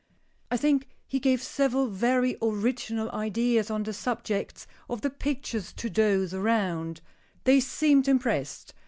"I think he gave several very original ideas on the subjects of the pictures to those around. They seemed impressed.